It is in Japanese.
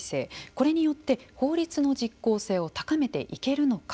これによって法律の実効性を高めていけるのか。